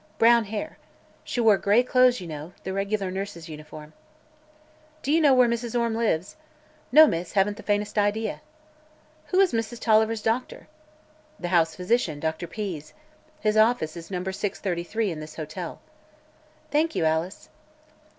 Brown hair. She wore gray clothes, you know the reg'lar nurse's uniform." "Do you know where Mrs. Orme lives?" "No, miss; haven't the faintest idea." "Who is Mrs. Tolliver's doctor?" "The house physician, Dr. Pease. His office is No. 633, in this hotel." "Thank you, Alice."